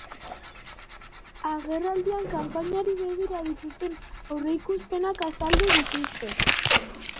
Agerraldian, kanpainari begira dituzten aurreikuspenak azaldu dituzte.